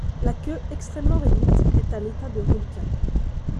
La queue extrêmement réduite est à l'état de reliquat.